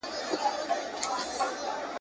خدای په ټولوحیوانانو کی نادان کړم `